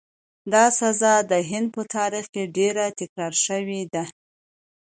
دا سزا د هند په تاریخ کې ډېره تکرار شوې ده.